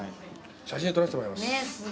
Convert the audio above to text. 写真撮らせてもらいます。